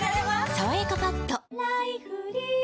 「さわやかパッド」菊池）